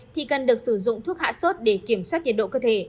thì cần được sử dụng thuốc hạ sốt để kiểm soát nhiệt độ cơ thể